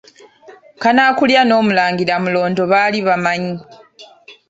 Kanaakulya n’Omulangira Mulondo bali bamanyi.